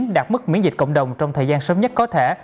đạt mức miễn dịch cộng đồng trong thời gian sớm nhất có thể